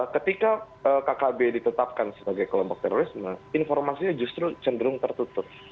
ketika kkb ditetapkan sebagai kelompok terorisme informasinya justru cenderung tertutup